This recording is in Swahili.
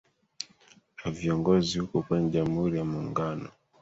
a viongozi huku kwenye jamhuri ya muungano